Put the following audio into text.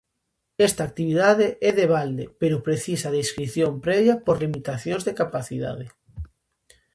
Esta actividade é de balde, pero precisa de inscrición previa por limitacións de capacidade.